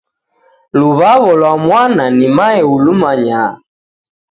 Luwawo lwa mwana ni mae ulimaya.